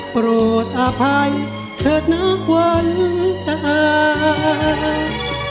โปรดอภัยเผิดนักวันจะอาย